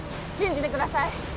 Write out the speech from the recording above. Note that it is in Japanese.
信じてください